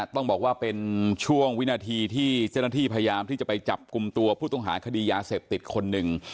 ต้องบอกว่าเป็นช่วงวินาทีที่เจ้าหน้าที่พยายามที่จะไปจับกลุ่มตัวผู้ต้องหาคดียาเสพติดคนหนึ่ง